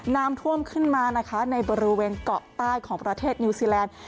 น้ำท่วมขึ้นมานะคะในบริเวณเกาะใต้ของประเทศนิวซีแลนด์